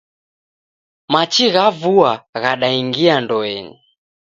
Machi gha vua ghadaingia ndoenyi